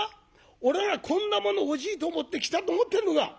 おらがこんなもの欲しいと思って来たと思ってんのか！